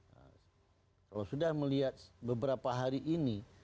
nah kalau sudah melihat beberapa hari ini